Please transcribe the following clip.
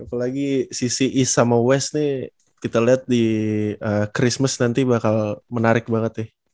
apalagi si c e sama wes nih kita liat di christmas nanti bakal menarik banget nih